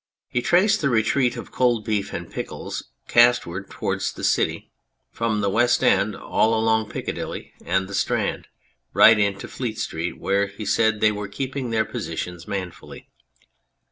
He traced the retreat of cold beef and pickles east ward towards the City from the West End all along Piccadilly and the Strand right into Fleet street, where, he said, they were keeping their positions manfully.